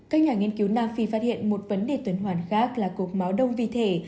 các nhà nghiên cứu nam phi phát hiện một vấn đề tuần hoàn khác là cục máu đông vi thể